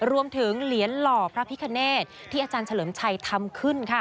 เหรียญหล่อพระพิคเนตที่อาจารย์เฉลิมชัยทำขึ้นค่ะ